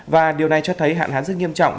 và điều này cho thấy hạn hán rất nghiêm trọng